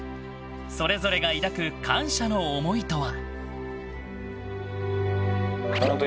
それぞれが抱く感謝の思いとは？